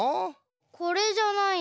これじゃない。